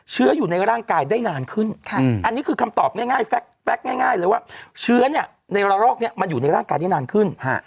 เชื้ออยู่ในร่างกายได้นานขึ้นอันนี้คือคำตอบง่ายแก๊กง่ายเลยว่าเชื้อเนี่ยในระลอกนี้มันอยู่ในร่างกายได้นานขึ้น